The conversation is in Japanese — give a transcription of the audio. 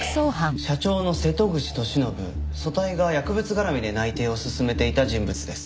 社長の瀬戸口俊信組対が薬物絡みで内偵を進めていた人物です。